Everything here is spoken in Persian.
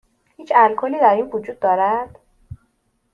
هیچ الکلی در این وجود دارد؟